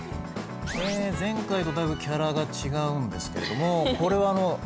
前回とだいぶキャラが違うんですけれどもこれは台本どおりです。